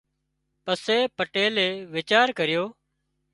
پسي پٽيلئي ويچار ڪريو